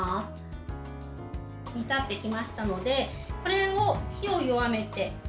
煮立ってきましたのでこれを、火を弱めて。